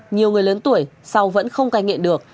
nhiều người lớn tuổi sau vẫn không cai nghiện được